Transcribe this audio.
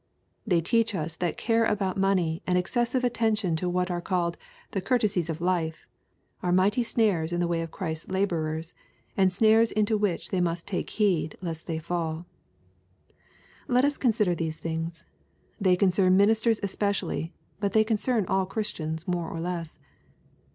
They teach us that care about money, and excessive attention to what are called " the courtesies of Jife," are mighty snares in the way of Christ's laborers, and snares into which they must take heed lest they fall. Let us consider these things. They concern ministers especially, but they concern all Christians more or less.